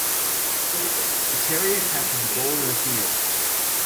A terrier catches a ball in a field.